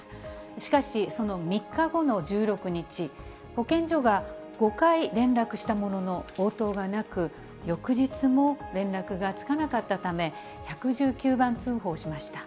しかしその３日後の１６日、保健所が５回連絡したものの、応答がなく、翌日も連絡がつかなかったため、１１９番通報しました。